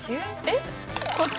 えっ？